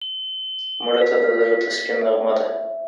مړه ته د زړه تسکین نغمه ده